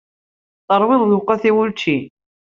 Tesɛiḍ lweqt i wučči?